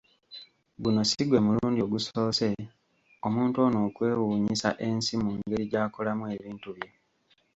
Guno si gwe mulundi ogusoose omuntu ono okwewuunyisa ensi mu ngeri gy’akolamu ebintu bye.